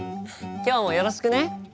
今日もよろしくね。